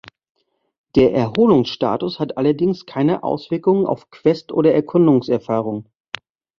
Der Erholungsstatus hat allerdings keine Auswirkungen auf Quest- oder Erkundungserfahrung.